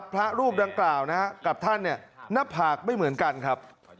พระรูปดังกล่าวนะฮะกับท่านหน้าผากไม่เหมือนกันครับ